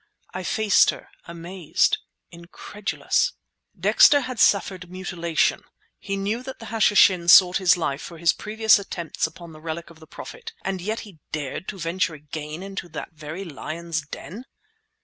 I faced her, amazed, incredulous. "Dexter had suffered mutilation, he knew that the Hashishin sought his life for his previous attempts upon the relic of the Prophet, and yet he dared to venture again into the very lions' den?"